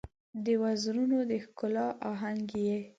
د وزرونو د ښکالو آهنګ یې